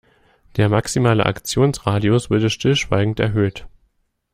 Der maximale Aktionsradius wurde stillschweigend erhöht.